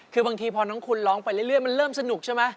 คือบางทีพอน้องคุณร้องไปเรื่อยมันเริ่มสนุกใช่ไหม